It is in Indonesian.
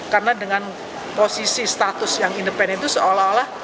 karena dengan posisi status yang independen itu seolah olah